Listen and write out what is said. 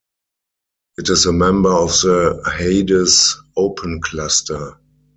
It is a member of the Hyades open cluster.